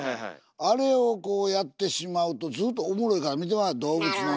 あれをやってしまうとずっとおもろいから見てまう動物の。